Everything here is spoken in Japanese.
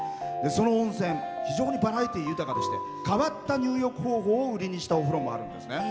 その温泉、非常にバラエティー豊かでして変わった入浴方法を売りにした温泉もあるんです。